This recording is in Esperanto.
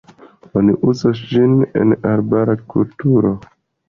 Oni uzas ĝin en arbar-kulturo.